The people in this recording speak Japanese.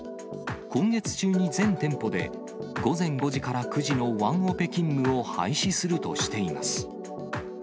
今月中に全店舗で、午前５時から９時のワンオペ勤務を廃止するとしています。